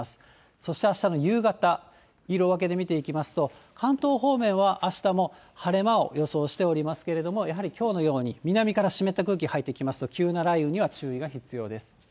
そしてあしたの夕方、色分けで見ていきますと、関東方面はあしたも晴れ間を予想しておりますけれども、やはりきょうのように、南から湿った空気入ってきますと、急な雷雨には注意が必要です。